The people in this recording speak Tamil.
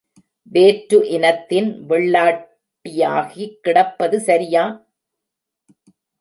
வேற்று இனத்தின் வெள்ளாட்டியாகிக் கிடப்பது சரியா?